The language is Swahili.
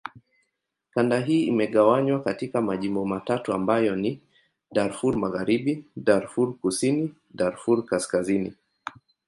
Kanda hii imegawanywa katika majimbo matatu ambayo ni: Darfur Magharibi, Darfur Kusini, Darfur Kaskazini.